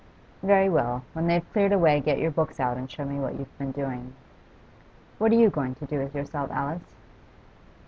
Very well, when they've cleared away, get your books out and show me what you've been doing. What are you going to do with yourself, Alice?